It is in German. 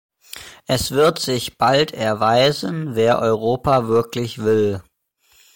Es wird sich bald erweisen, wer Europa wirklich will!